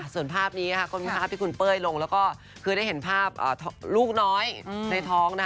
ส่วนภาพนี้ค่ะคุณเป้ยลงแล้วก็คือได้เห็นภาพลูกน้อยในท้อง